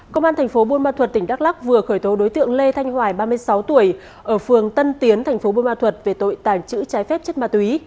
công an tp buôn ma thuật tỉnh đắk lắc vừa khởi tố đối tượng lê thanh hoài ba mươi sáu tuổi ở phường tân tiến tp buôn ma thuật về tội tàn trữ trái phép chất ma túy